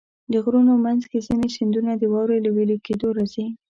د غرونو منځ کې ځینې سیندونه د واورې له وېلې کېدو راځي.